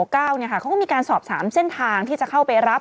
เขาก็มีการสอบถามเส้นทางที่จะเข้าไปรับ